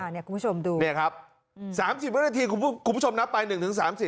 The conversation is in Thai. นี่ครับ๓๐นาทีคุณผู้ชมนับไป๑ถึง๓๐